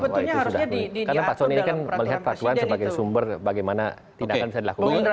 karena pak soni ini melihat peraduan sebagai sumber bagaimana tindakan bisa dilakukan